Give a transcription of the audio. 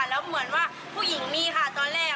แล้วเหมือนว่าผู้หญิงมีค่ะตอนแรก